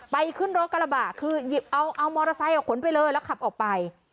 ขึ้นรถกระบะคือหยิบเอามอเตอร์ไซค์ขนไปเลยแล้วขับออกไป